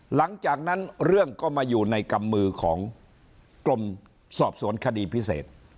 หลังจากนั้นเรื่องก็มาอยู่ในกำมือของกรมสอบสวนคดีพิเศษ